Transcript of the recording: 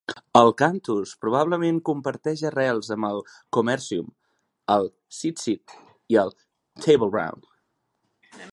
El cantus probablement comparteix arrels amb el commercium, el sitsit i el tableround.